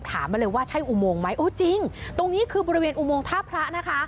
มาเลยว่าใช่อุโมงไหมโอ้จริงตรงนี้คือบริเวณอุโมงท่าพระนะคะ